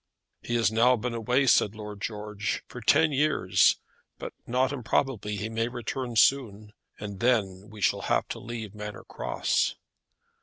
"He has now been away," said Lord George, "for ten years; but not improbably he may return soon, and then we shall have to leave Manor Cross."